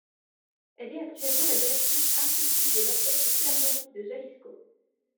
Elle est actuellement la directrice artistique de l'orchestre philharmonique de Jalisco.